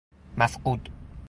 مفقود